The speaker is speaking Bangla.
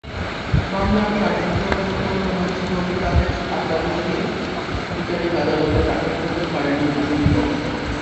মামলার কার্যক্রমের ওপর কোনো স্থগিতাদেশ অদ্যাবধি বিচারিক আদালতে দাখিল করতে পারেনি আসামিপক্ষ।